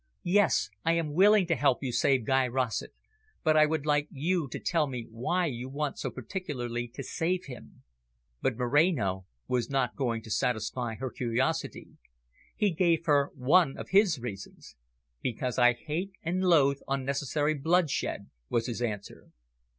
Yes, I am willing to help you to save Guy Rossett. But I would like you to tell me why you want so particularly to save him." But Moreno was not going to satisfy her curiosity. He gave her one of his reasons. "Because I hate and loathe unnecessary bloodshed," was his answer.